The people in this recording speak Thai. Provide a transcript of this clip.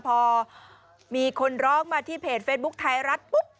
พอมีคนร้องมาที่เพจเฟซบุ๊คไทยรัฐปุ๊บ